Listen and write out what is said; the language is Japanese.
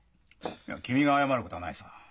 いや君が謝ることはないさ。